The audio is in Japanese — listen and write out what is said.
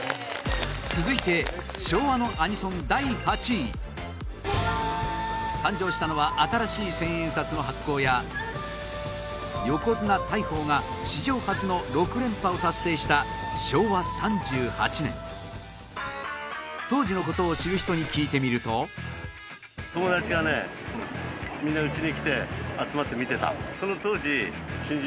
続いて昭和のアニソン、第８位誕生したのは新しい千円札の発行や横綱・大鵬が史上初の６連覇を達成した昭和３８年当時の事を知る人に聞いてみると伊達：早く人間になりたい。